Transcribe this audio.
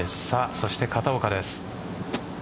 そして、片岡です。